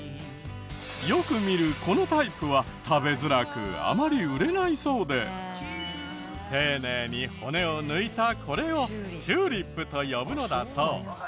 よく見るこのタイプは食べづらくあまり売れないそうで丁寧に骨を抜いたこれをチューリップと呼ぶのだそう。